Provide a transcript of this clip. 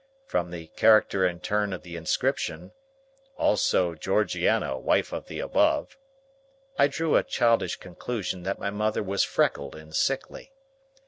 From the character and turn of the inscription, "Also Georgiana Wife of the Above," I drew a childish conclusion that my mother was freckled and sickly.